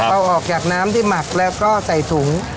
เอาออกจากน้ำที่หมักแล้วก็ใส่ถุง